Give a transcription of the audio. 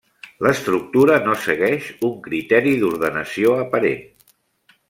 L'estructura no segueix un criteri d'ordenació aparent.